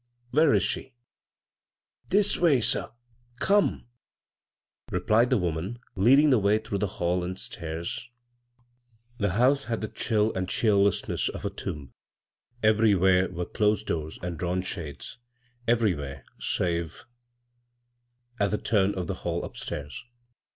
" Where is she ?" "This way, sir. Come," replied the woman, leading the way through the hall and stairs. house had the chill and cheeriessness imb. Everywhere were closed doors awn shades — everywhere save at the 68 b, Google CROSS CURRENTS turn of the hall up stairs.